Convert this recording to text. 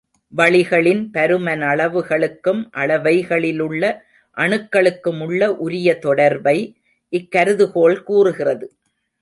வளிகளின் பருமனளவுகளுக்கும் அவைகளிலுள்ள அணுக்களுக்குமுள்ள உரிய தொடர்பை இக்கருதுகோள் கூறுகிறது.